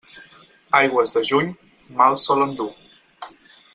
Aigües de juny, mals solen dur.